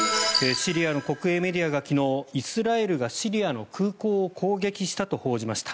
シリアの国営メディアが昨日イスラエルがシリアの空港を攻撃したと報じました。